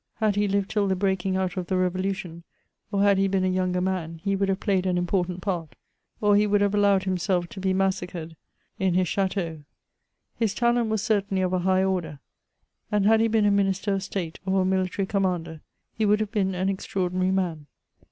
Had he hved till the breaking out of the revolu tion, or had he been a younger man, he would have played an important part, or he would have allowed himself to be .massacred in his chateau. His talent was certainty of a high order; and, had he been a minister of state or a military •commander, he would have been an extraordinary man.